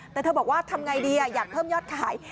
แต่เธอบอกว่าทำไงดีอยากเพิ่มยอดขาย